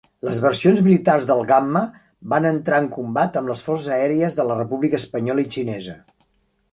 Les versions militars del Gamma van entrar en combat amb les forces aèries de la República Espanyola i Xinesa.